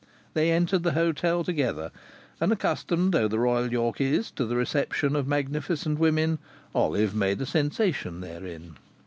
They entered the hotel together, and, accustomed though the Royal York is to the reception of magnificent women, Olive made a sensation therein.